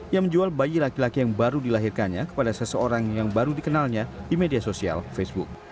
ia menjual bayi laki laki yang baru dilahirkannya kepada seseorang yang baru dikenalnya di media sosial facebook